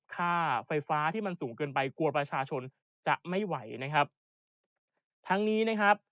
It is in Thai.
ค่าไฟฟ้าที่มันสูงเกินไปกลัวประชาชนจะไม่ไหวนะครับทั้งนี้นะครับ